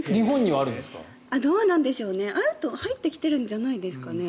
どうなんでしょうね入ってきてるんじゃないですかね。